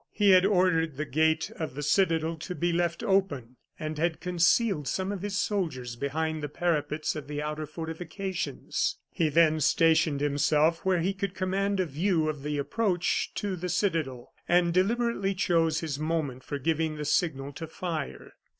He had ordered the gate of the citadel to be left open, and had concealed some of his soldiers behind the parapets of the outer fortifications. He then stationed himself where he could command a view of the approach to the citadel, and deliberately chose his moment for giving the signal to fire.